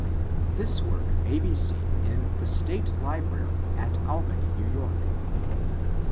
This work may be seen in the State Library at Albany, New York.